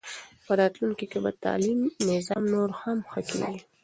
په راتلونکي کې به تعلیمي نظام نور هم ښه کېږي.